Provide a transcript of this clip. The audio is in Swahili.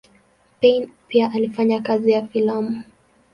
Payn pia alifanya kazi ya filamu.